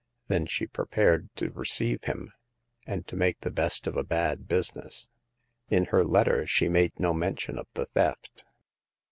Then she prepared to receive him, and to make the best of a bad business. In her letter she made no mention of the theft.